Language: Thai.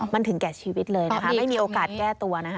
มันถึงแก่ชีวิตเลยนะคะไม่มีโอกาสแก้ตัวนะคะ